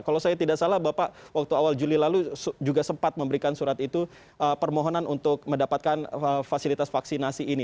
kalau saya tidak salah bapak waktu awal juli lalu juga sempat memberikan surat itu permohonan untuk mendapatkan fasilitas vaksinasi ini